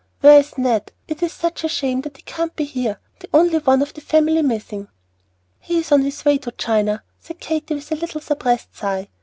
"Where is Ned? It is such a shame that he can't be here, the only one of the family missing!" "He is on his way to China," said Katy, with a little suppressed sigh.